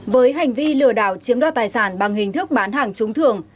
với hành vi lừa đảo chiếm đất tài sản bằng hình thức bán hàng trúng thưởng